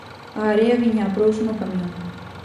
A area viña a prouso no camión.